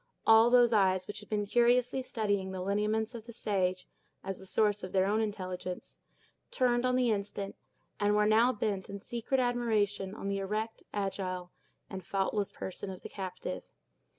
All those eyes, which had been curiously studying the lineaments of the sage, as the source of their own intelligence, turned on the instant, and were now bent in secret admiration on the erect, agile, and faultless person of the captive.